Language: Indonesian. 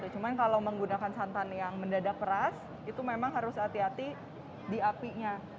cuma kalau menggunakan santan yang mendadak peras itu memang harus hati hati di apinya